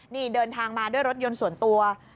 นี่เดินทางมาด้วยรถยนต์ส่วนตัว